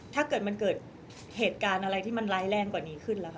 ถ้าเกิดมันเกิดเหตุการณ์อะไรที่มันร้ายแรงกว่านี้ขึ้นแล้วค่ะ